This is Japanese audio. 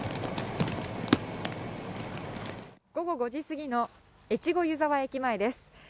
午後５時過ぎの越後湯沢駅前です。